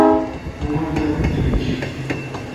Кумытын ыльыч.